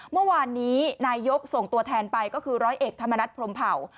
เมื่อวานนี้นายยกส่งตัวแทนไปก็คือร้อยเอกธรรมนัฐพรมเผ่า